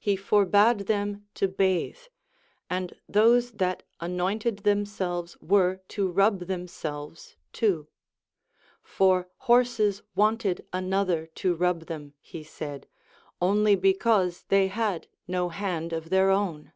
He for bade them to bathe ; and those that anonited themselves were to rub themselves too ; for horses wanted another to rub them, he said, only because they had no hand of their own.